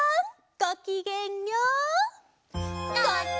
ごきげんよう！